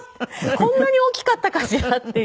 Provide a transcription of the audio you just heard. こんなに大きかったかしらっていう。